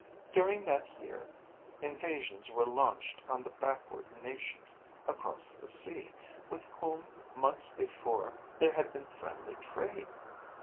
During that year invasions were launched on the backward nations across the sea with whom months before there had been friendly trade.